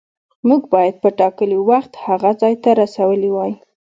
موږ باید په ټاکلي وخت هغه ځای ته رسولي وای.